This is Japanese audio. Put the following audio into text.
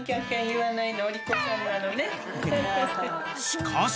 ［しかし］